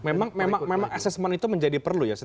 memang assessment itu menjadi perlu ya